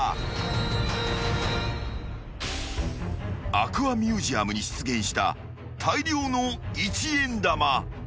［アクアミュージアムに出現した大量の一円玉］